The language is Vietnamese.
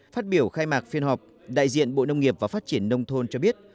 phát biểu khai mạc phiên họp đại diện bộ nông nghiệp và phát triển nông thôn cho biết